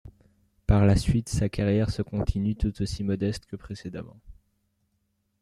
Par la suite, sa carrière se continue, tout aussi modeste que précédemment.